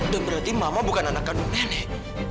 dan berarti mama bukan anak kandung nenek